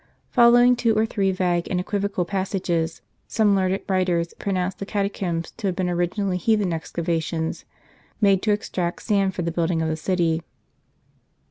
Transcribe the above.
Following two or three vague and equivocal passages, some learned writers pronounced the catacombs to have been originally heathen excavations, made to extract sand for the building of the city.